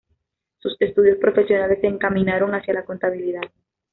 Sus estudios profesionales se encaminaron hacia la contabilidad.